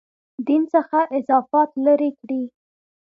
دین څخه اضافات لرې کړي.